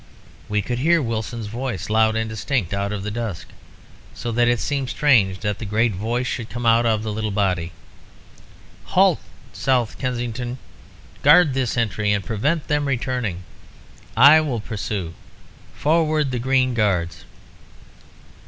We could hear Wilson's voice loud and distinct out of the dusk, so that it seemed strange that the great voice should come out of the little body. 'Halt, South Kensington! Guard this entry, and prevent them returning. I will pursue. Forward, the Green Guards!'